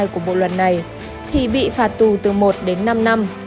một trăm bốn mươi hai của bộ luật này thì bị phạt tù từ một đến năm năm